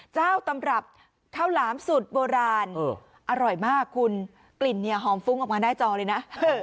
เจ้าตำรับข้าวหลามสูตรโบราณอร่อยมากคุณกลิ่นเนี่ยหอมฟุ้งออกมาหน้าจอเลยนะ